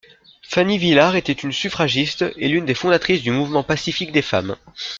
Fanny Villard était une suffragiste et l'une des fondatrices du mouvement pacifique des femmes.